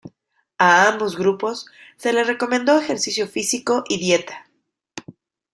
A ambos grupos se les recomendó ejercicio físico y dieta.